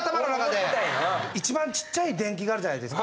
一番ちっちゃい電気があるじゃないですか。